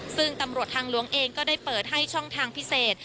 ซึ่งตำรวจทางหลวงเองก็ได้เปิดให้ช่องทางพิเศษ